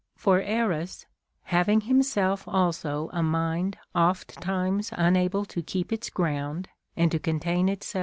For Eros, having himself also a mind oft times unable to keep its ground and to contain itself * II.